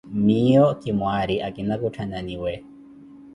Miiyo ki mwaari, akina kutthananiwe.